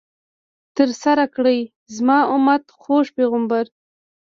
ترسره کړئ، زما امت ، خوږ پیغمبر